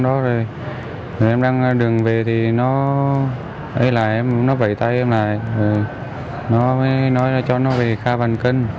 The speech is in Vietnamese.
nó mới nói cho nó về kha văn kinh